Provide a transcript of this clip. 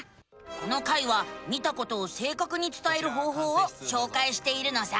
この回は見たことをせいかくにつたえる方法をしょうかいしているのさ。